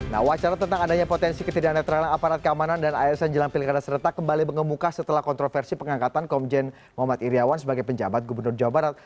nah wacara tentang adanya potensi ketidaknetralan aparat keamanan dan air sanjalan pilihan serta kembali mengemuka setelah kontroversi pengangkatan komjen mohd iryawan sebagai penjabat gubernur jawa barat